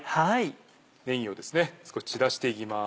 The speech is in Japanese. ねぎを少し散らしていきます。